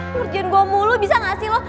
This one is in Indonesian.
kerjaan gua mulu bisa gak sih lu